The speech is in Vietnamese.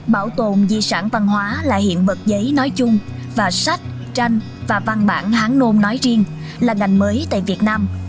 bảo tồn di sản văn hóa là hiện vật giấy nói chung và sách tranh và văn bản hán nôn nói riêng là ngành mới tại việt nam